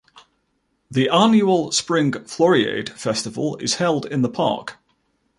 The annual spring Floriade festival is held in the park.